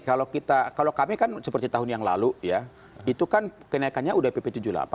kalau kita kalau kami kan seperti tahun yang lalu ya itu kan kenaikannya udah pp tujuh puluh delapan